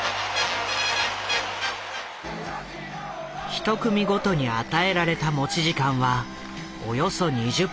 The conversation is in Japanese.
１組ごとに与えられた持ち時間はおよそ２０分。